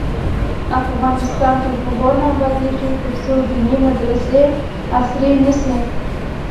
افغانستان تر هغو نه ابادیږي، ترڅو دیني مدرسې عصري نشي.